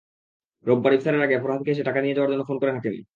রোববার ইফতারের আগে ফরহাদকে এসে টাকা নিয়ে যাওয়ার জন্য ফোন করেন হাকিম।